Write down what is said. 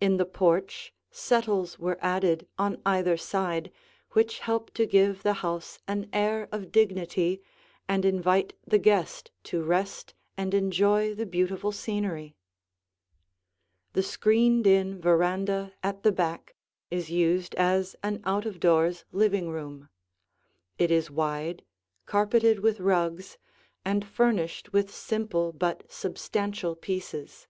In the porch settles were added on either side which help to give the house an air of dignity and invite the guest to rest and enjoy the beautiful scenery. [Illustration: As Remodeled] The screened in veranda at the back is used as an out of doors living room. It is wide, carpeted with rugs, and furnished with simple but substantial pieces.